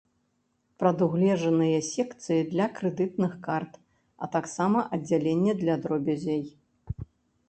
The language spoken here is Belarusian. Прадугледжаныя секцыі для крэдытных карт, а таксама аддзяленне для дробязі.